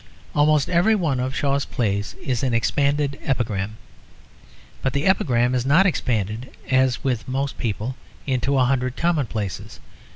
Almost every one of Shaw's plays is an expanded epigram. But the epigram is not expanded (as with most people) into a hundred commonplaces.